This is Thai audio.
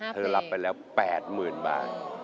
รับไปแล้ว๘๐๐๐บาท